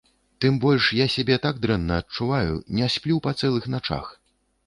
Тым больш я сябе так дрэнна адчуваю, не сплю па цэлых начах.